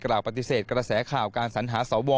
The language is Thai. ปฏิเสธกระแสข่าวการสัญหาสว